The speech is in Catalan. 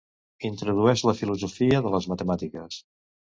Introdueix la filosofia de les matemàtiques.